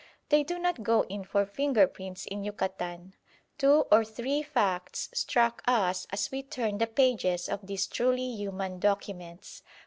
They do not go in for fingerprints in Yucatan. Two or three facts struck us as we turned the pages of these truly human documents.